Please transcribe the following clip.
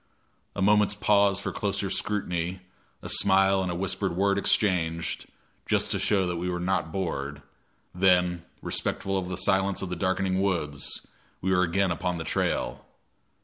A moment's pause for closer scrutiny, a smile and a whispered word exchanged just to show that we were not bored; then, respectful of the silence of the darkening woods, we were again upon the trail.